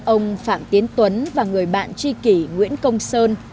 ông phạm tiến tuấn và người bạn tri kỷ nguyễn công sơn